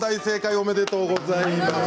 おめでとうございます。